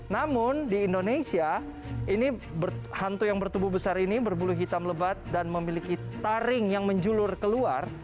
namun di indonesia ini hantu yang bertubuh besar ini berbulu hitam lebat dan memiliki taring yang menjulur keluar